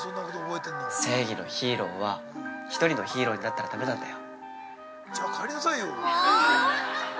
正義のヒーローは１人のヒーローになったらだめなんだよ。◆